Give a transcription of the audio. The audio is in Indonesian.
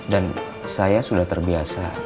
dan saya sudah terbiasa